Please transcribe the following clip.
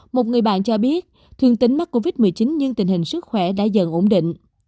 một người bạn cho biết thương tính mắc covid một mươi chín nhưng tình hình sức khỏe đã dần ổn định